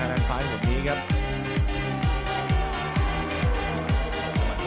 อันดับสุดท้ายของมันก็คือ